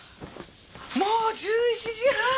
もう１１時半！